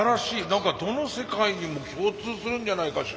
何かどの世界にも共通するんじゃないかしら。